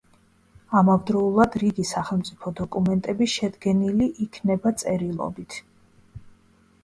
ამავდროულად, რიგი სახელმწიფო დოკუმენტები შედგენილი იქნება წერილობით.